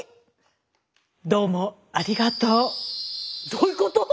どういうこと？